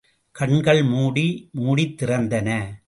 கண்கள் மூடி மூடித்திறந்தன.